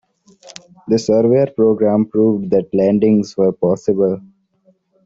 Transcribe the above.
The Surveyor program proved that landings were possible.